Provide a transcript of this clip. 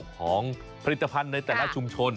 ของผลิตภัณฑ์ในแต่ละชุมชน